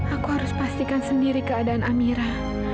aku harus pastikan sendiri keadaan amira